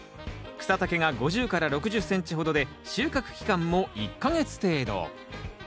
草丈が５０６０ｃｍほどで収穫期間も１か月程度。